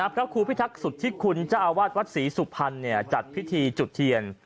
พระครูพิทักษุธิคุณเจ้าอาวาสวัดศรีสุพรรณจัดพิธีจุดเทียน